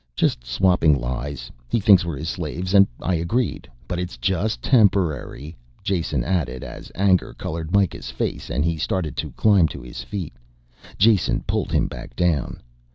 "Just swapping lies. He thinks we're his slaves and I agreed. But it's just temporary " Jason added as anger colored Mikah's face and he started to climb to his feet. Jason pulled him back down.